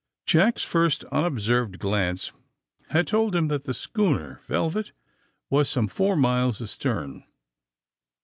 '' Jack's first unobserved glance had told him that the schooner *^ Velvet" was some four miles astern.